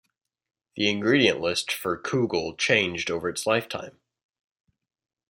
The ingredient list for Koogle changed over its lifetime.